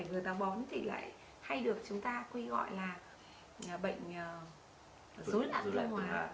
vừa tiêu chảy vừa táo bón thì lại hay được chúng ta quy gọi là bệnh dối lạc tương hòa